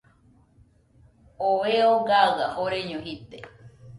Oo eo gaɨa joreño jide.